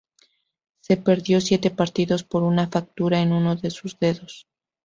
Se perdió siete partidos por una fractura en uno de sus dedos.